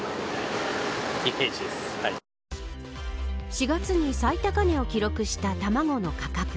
４月に最高値を記録した卵の価格。